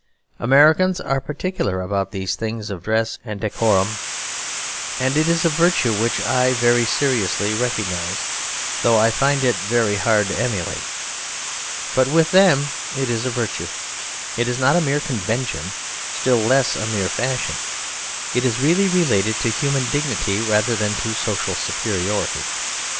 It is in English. Americans are particular about these things of dress and decorum; and it is a virtue which I very seriously recognise, though I find it very hard to emulate. But with them it is a virtue; it is not a mere convention, still less a mere fashion. It is really related to human dignity rather than to social superiority.